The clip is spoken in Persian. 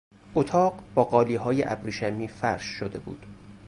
اطاق با قالیهای ابریشمی فرش شده بود.